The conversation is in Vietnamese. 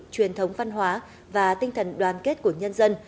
truyền thống văn hóa và tinh thần đoàn kết của nhân dân